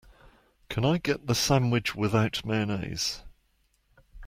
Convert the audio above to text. Can I get the sandwich without mayonnaise?